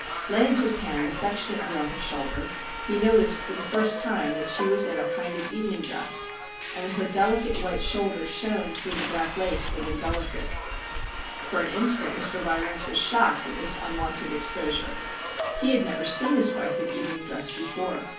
Laying his hand affectionately on her shoulder, he noticed for the first time that she was in a kind of evening dress, and that her delicate white shoulder shone through the black lace that enveloped it. For an instant Mr. Ry lands was shocked at this unwonted exposure. He had never seen his wife in evening dress before.